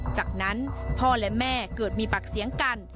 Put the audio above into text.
จากนั้นพ่อและแม่เกิดมีปากเสียงกัน